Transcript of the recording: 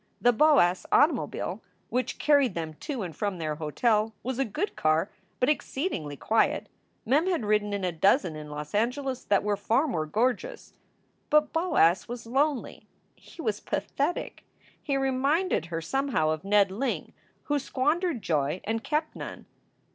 The Boas automobile, which carried them to and from their hotel, was a good car, but exceedingly quiet. Mem had ridden in a dozen in Los Angeles that were far more gorgeous. But Boas was lonely. He was pathetic. He reminded her somehow of Ned Ling, who squandered joy and kept none.